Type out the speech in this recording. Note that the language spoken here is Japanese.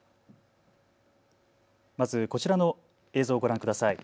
まずこちらの映像をご覧ください。